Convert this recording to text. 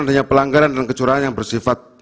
adanya pelanggaran dan kecurangan yang bersifat